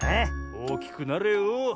おおきくなれよ。